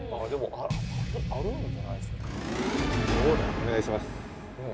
お願いします。